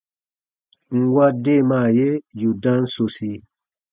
Nwa deemaa ye yù dam sosi.